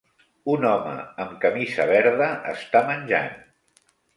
Un home amb camisa verda està menjant.